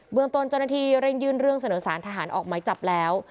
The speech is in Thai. ตนเจ้าหน้าที่เร่งยื่นเรื่องเสนอสารทหารออกไม้จับแล้ว